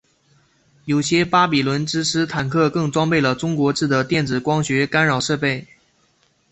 有些巴比伦之狮坦克更装备了中国制的电子光学干扰设备。